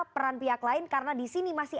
peran pihak lain karena disini masih